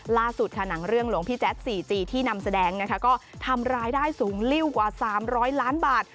ล่าสุดค่ะหนังเรื่องหลวงพี่แจ๊ดสี่จีที่นำแสดงนะคะก็ทำรายได้สูงริ้วกว่า๓๐๐ล้านบาท